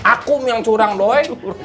akum yang curang doi